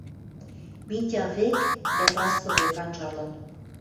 Митя вӹк дӓ Праско вӹк анжалын